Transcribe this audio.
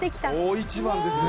大一番ですね。